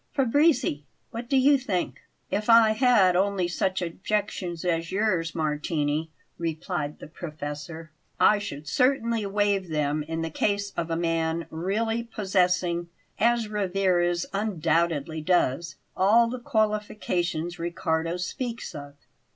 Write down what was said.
Fabrizi, what do you think?" "If I had only such objections as yours, Martini," replied the professor, "I should certainly waive them in the case of a man really possessing, as Rivarez undoubtedly does, all the qualifications Riccardo speaks of.